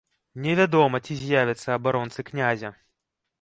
Невядома, ці з'явяцца абаронцы князя.